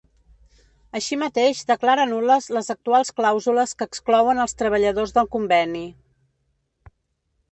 Així mateix declara nul·les les actuals clàusules que exclouen els treballadors del conveni.